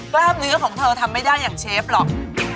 กล้ามเนื้อของเธอทำไม่ได้อย่างเชฟหรอก